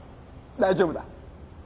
大丈夫だ。